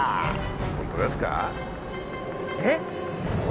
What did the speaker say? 本当ですか？